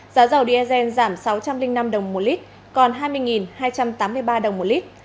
giá dầu diesel giảm sáu trăm linh năm đồng một lít còn hai mươi hai trăm tám mươi ba đồng một lít